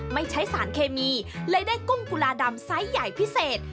ไม่ใช้สารเคมีเลยได้กุ้งกุลาดำไซส์ใหญ่พิเศษ